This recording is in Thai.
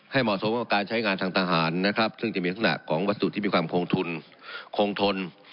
ให้เหมาะสมบัติการใช้งานทางต่างหารซึ่งจะมีลักษณะของวัสดุที่มีความคงทน